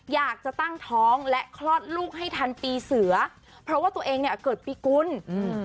อยากจะตั้งท้องและคลอดลูกให้ทันปีเสือเพราะว่าตัวเองเนี้ยเกิดปีกุลอืม